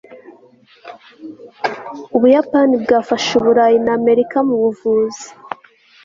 ubuyapani bwafashe uburayi na amerika mu buvuzi